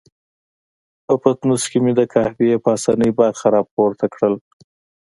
په پتنوس کې مې د قهوې پاسنۍ برخه را پورته کړل.